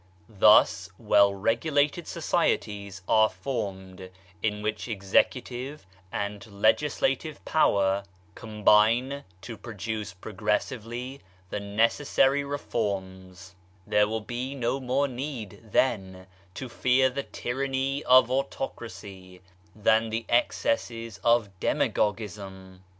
Thus well regulated societies are formed, in which executive and legislative power combine to produce progressively the necessary reforms ; there will be no more need, then, to fear the tyranny of autocracy, than the excesses of demagogism.